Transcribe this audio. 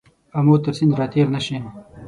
آمو تر سیند را تېر نه شې.